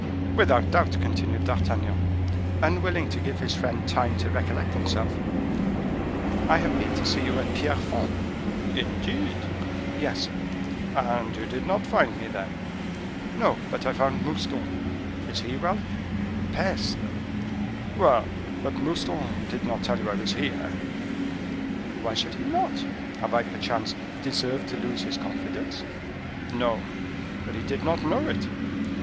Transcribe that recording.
"Without doubt," continued D'Artagnan, unwilling to give his friend time to recollect himself, "I have been to see you at Pierrefonds." "Indeed!" "Yes." "And you did not find me there?" "No, but I found Mouston." "Is he well?" "Peste!" "Well, but Mouston did not tell you I was here." "Why should he not? Have I, perchance, deserved to lose his confidence?" "No; but he did not know it."